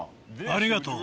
ありがとう。